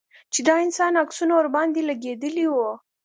چې د انسان عکسونه ورباندې لگېدلي وو.